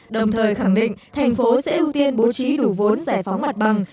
đồng thời khẳng định thành phố sẽ ưu tiên bố trí đủ vốn giải phóng mặt bằng